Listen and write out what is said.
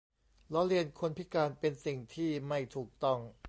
ล้อเลียนคนพิการ เป็นสิ่งที่ไม่ถูกต้อง